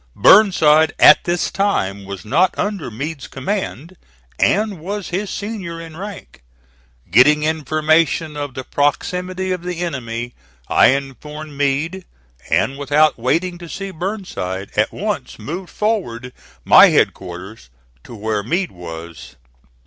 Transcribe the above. Burnside at this time was not under Meade's command, and was his senior in rank. Getting information of the proximity of the enemy, I informed Meade, and without waiting to see Burnside, at once moved forward my headquarters to where Meade was.